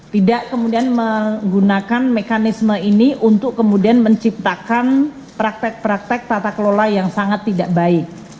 tidak kemudian menggunakan mekanisme ini untuk kemudian menciptakan praktek praktek tata kelola yang sangat tidak baik